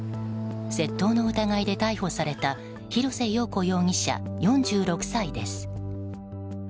窃盗の疑いで逮捕された広瀬陽子容疑者、４６歳です。